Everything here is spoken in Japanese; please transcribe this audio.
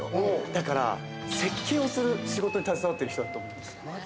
だから設計をする仕事に携わってる人だと思うんですよ。